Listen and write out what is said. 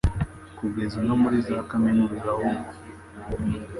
kugeza no muri za kaminuza ahubwo